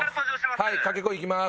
はいかけ声いきます。